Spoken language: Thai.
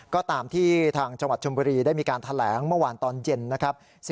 ก็ตามที่ทางจังหวัดชมบุรีได้มีการแถลงเมื่อวานตอนเย็นนะครับ